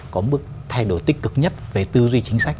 có mức thay đổi tích cực nhất về tư duy chính sách